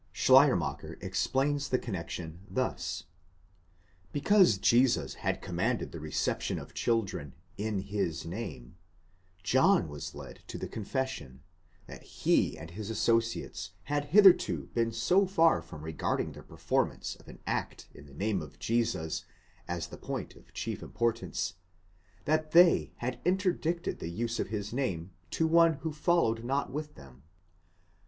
Schleiermacher explains the connexion thus: because Jesus had commanded the reception of children i" Ais name, John was led to the confession, that he and his associates had hitherto been so far from regarding the performance of an act in the name of Jesus as the point of chief importance, that they had interdicted the use of his name to one who followed not with them.